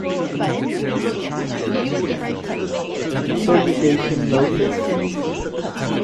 So you gave him notice?